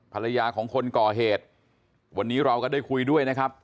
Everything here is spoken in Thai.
ภรรยาของคนก่อเหตุวันนี้เราก็ได้คุยด้วยนะครับ